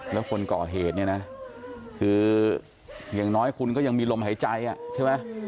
แล้วคนก่อเหตุเนี่ยนะคืออย่างน้อยคุณก็ยังมีลมหายใจใช่ไหม